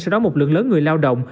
sẽ đón một lượng lớn người lao động